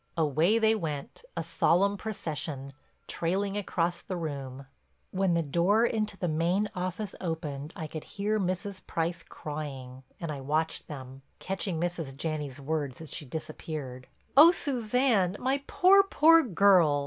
Away they went, a solemn procession, trailing across the room. When the door into the main office opened I could hear Mrs. Price crying, and I watched them, catching Mrs. Janney's words as she disappeared: "Oh, Suzanne, my poor, poor, girl!